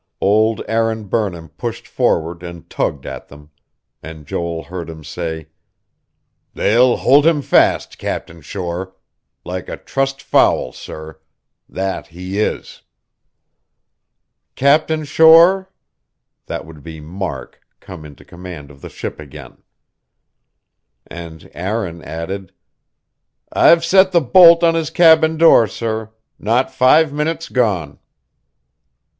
Old Aaron Burnham pushed forward and tugged at them; and Joel heard him say: "They'll hold him fast, Captain Shore. Like a trussed fowl, sir. That he is...." "Captain Shore?" That would be Mark, come into command of the ship again. And Aaron added: "I've set the bolt on his cabin door, sir. Not five minutes gone."